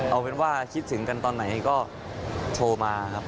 เอาเป็นว่าคิดถึงกันตอนไหนก็โทรมาครับ